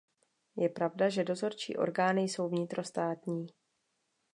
Je pravda, že dozorčí orgány jsou vnitrostátní.